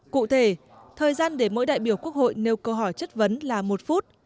cụ thể thời gian để mỗi đại biểu quốc hội nêu câu hỏi chất vấn là một phút